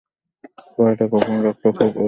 কেউ এটা গোপন রাখতে খুব পরিশ্রম করেছে।